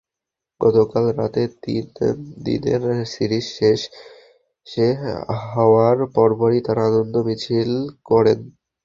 গতকাল রাতে তিন দিনের সিরিজ শেষ হওয়ার পরপরই তাঁরা আনন্দ মিছিল করেন।